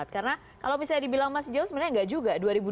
karena kalau misalnya dibilang masih jauh sebenarnya enggak juga